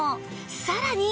さらに